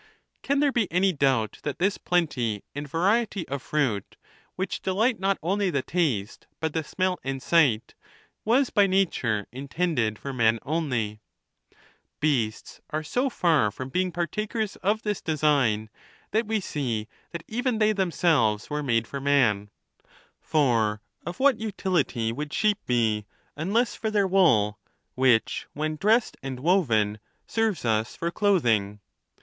Can there be any doubt that this plenty and variety of fruit, which delight not only the taste, but the smell and sight, was by nature in tended for men only ? Beasts are so far from being par takers of this design, that we see that even they them selves were made for man ; for of what utility would sheep be, unless for their wool, which, when dressed and woven, serves us for clothing?